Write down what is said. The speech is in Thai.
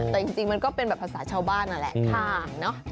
แต่จริงมันก็เป็นแบบภาษาชาวบ้านนั่นแหละ